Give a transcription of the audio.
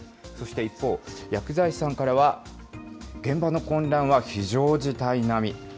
そして一方、薬剤師さんからは、現場の混乱は非常事態並み。